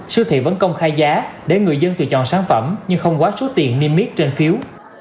siêu thị vẫn công khai giá để người dân tự chọn sản phẩm nhưng không quá số tiền niêm yết trên phiếu